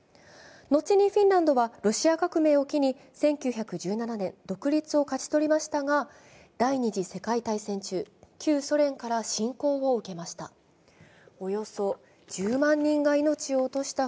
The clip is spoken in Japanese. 後にフィンランドはロシア革命を機に１９１７年、独立を勝ち取りましたが、第二次世界大戦中、旧ソ連から侵攻を受けました。